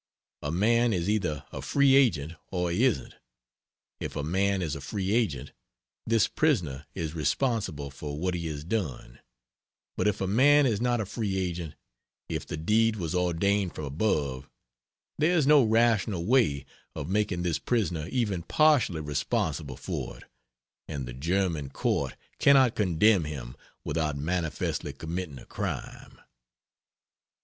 A man is either a free agent or he isn't. If a man is a free agent, this prisoner is responsible for what he has done; but if a man is not a free agent, if the deed was ordained from above, there is no rational way of making this prisoner even partially responsible for it, and the German court cannot condemn him without manifestly committing a crime.